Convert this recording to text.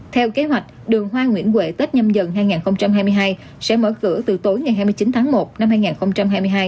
theo kế hoạch đường hoa nguyễn huệ tết nhâm dần hai nghìn hai mươi hai sẽ mở cửa từ tối ngày hai mươi chín tháng một năm hai nghìn hai mươi hai